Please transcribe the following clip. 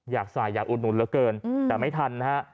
อยากใส่อยากอุดหนุนเหลือเกินแต่ไม่ทันนะฮะ